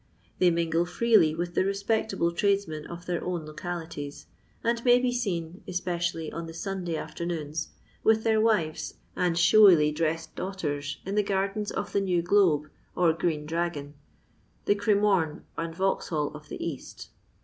They mingle freely with the respectable tradesmen of their own localitieB, and may be seen, especially on the Sunday afternoons, with their wives and showily dressed daughters in the gardens of the New Qlobe, or Cheen Drsgon — the Cremome and Yanx hall of the east.